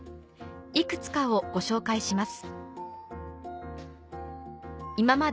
いくつかをご紹介します